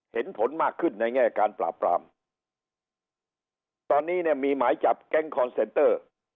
เห็นผลมากขึ้นในแง่การปราบปรามตอนนี้เนี่ยมีหมายจับแก๊งคอนเซนเตอร์